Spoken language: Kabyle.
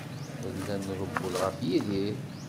Nella nrewwel ɣef Yidir.